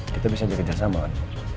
kita bisa jaga jasama kan